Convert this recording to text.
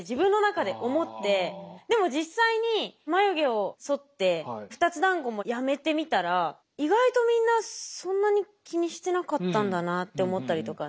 でも実際に眉毛をそって２つだんごもやめてみたら意外とみんなそんなに気にしてなかったんだなって思ったりとか。